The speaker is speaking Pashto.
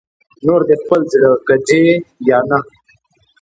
نور دې خپل زړه که ځې یا نه